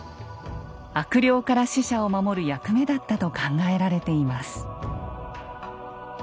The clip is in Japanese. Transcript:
悪霊から死者を守る役目だったと考えられています。